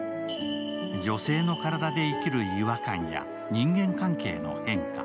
女性の体で生きる違和感や人間関係の変化。